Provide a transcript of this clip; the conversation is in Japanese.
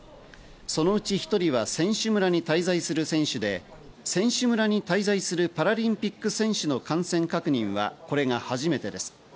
そのうち１人は選手村に滞在する選手で選手村に滞在するパラリンピック選手の感染確認はこれが初めてです。